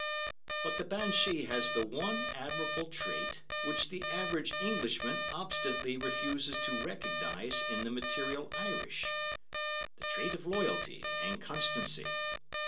"But the banshee has the one admirable trait which the average Englishman obstinately refuses to recognize in the material Irish—the trait of loyalty and constancy.